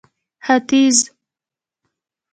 ختيځ